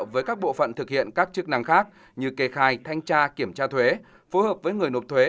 với các bộ phận thực hiện các chức năng khác như kê khai thanh tra kiểm tra thuế phối hợp với người nộp thuế